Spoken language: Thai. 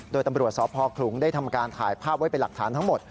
โดยตำรวจสพคลุงได้ทำการถ่ายภาพไว้เป็นหลักฐานทั้งหมด